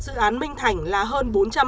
dự án minh thành là hơn bốn trăm hai mươi bảy